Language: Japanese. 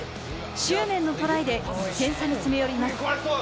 執念のトライで１点差に詰め寄ります。